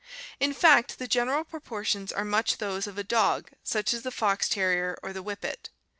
In fact, the general proportions are much those of a dog such as the fox terrier or the whippet.